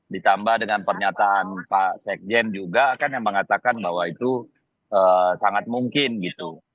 ditambah dengan pernyataan pak sekjen juga kan yang mengatakan bahwa itu sangat mungkin gitu